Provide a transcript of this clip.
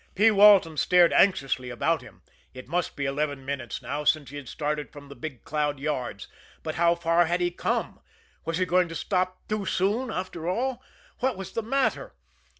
P. Walton stared anxiously about him. It must be eleven minutes now since he had started from the Big Cloud yards, but how far had he come? Was he going to stop too soon after all? What was the matter?